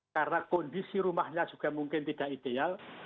karena kondisi rumahnya juga mungkin tidak ideal